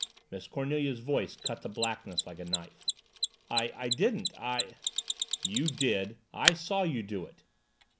Miss Cornelia's voice cut the blackness like a knife. "I didn't I " "You did I saw you do it."